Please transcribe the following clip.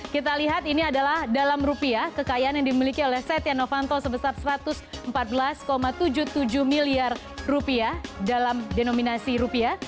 kita lihat ini adalah dalam rupiah kekayaan yang dimiliki oleh setia novanto sebesar satu ratus empat belas tujuh puluh tujuh miliar rupiah dalam denominasi rupiah